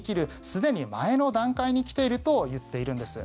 すでに前の段階に来ていると言っているんです。